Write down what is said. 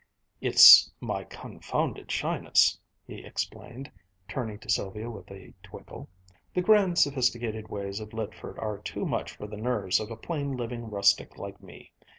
"It's my confounded shyness," he explained, turning to Sylvia with a twinkle. "The grand, sophisticated ways of Lydford are too much for the nerves of a plain living rustic like me.